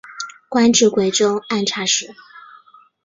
官至贵州按察使。